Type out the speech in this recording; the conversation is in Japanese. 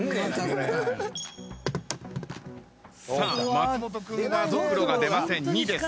松本君はドクロが出ません２です。